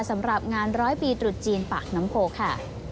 สำหรับงานร้อยปีตรุษจีนปากน้ำโพค่ะ